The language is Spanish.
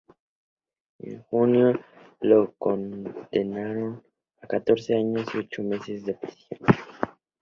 En junio lo condenaron a catorce años y ocho meses de prisión.